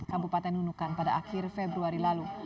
kabupaten nunukan pada akhir februari lalu